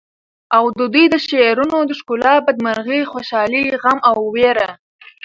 او ددوی د شعرونو د ښکلاوو بد مرغي، خوشالی، غم او وېر